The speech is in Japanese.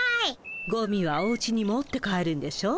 ゴミはおうちに持って帰るんでしょ。